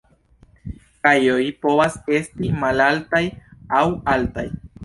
Kajoj povas esti malaltaj aŭ altaj.